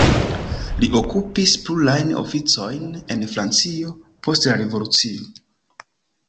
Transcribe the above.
Li okupis plurajn oficojn en Francio, post la Revolucio.